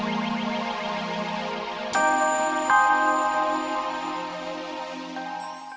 bagaimana kalau kita membuat sertifikat